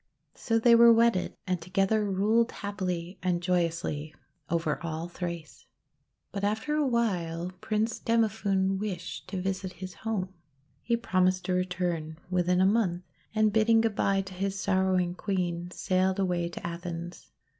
So they were wedded, and to gether ruled happily and joyously over all Thrace. But after a while Prince Demophoon wished to visit his home. He promised to return within a month, and, bidding good bye to his sorrowing Queen, sailed away to Athens.